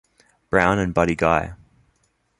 Brown and Buddy Guy.